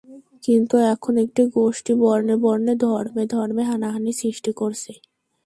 কিন্তু এখন একটি গোষ্ঠী বর্ণে বর্ণে, ধর্মে ধর্মে হানাহানি সৃষ্টি করছে।